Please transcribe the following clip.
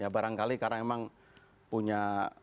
barangkali karena memang punya